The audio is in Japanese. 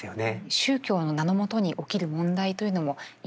宗教の名のもとに起きる問題というのもいろいろありますよね。